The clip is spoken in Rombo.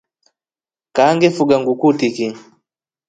Kaa ngefuga nguku tiki.